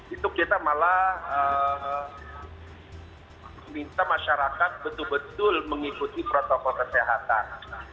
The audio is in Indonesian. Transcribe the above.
itu kita malah minta masyarakat betul betul mengikuti protokol kesehatan